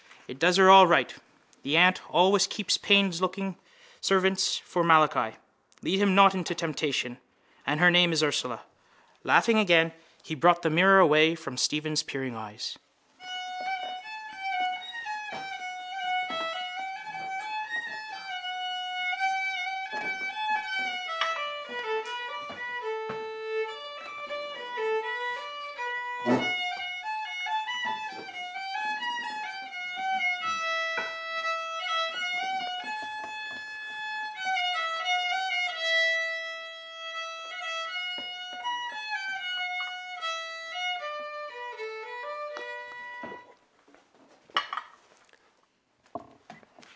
It does her all right. The aunt always keeps plainlooking servants for Malachi. Lead him not into temptation. And her name is Ursula. Laughing again, he brought the mirror away from Stephen's peering eyes.